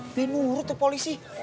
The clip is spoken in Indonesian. mba nurut itu polisi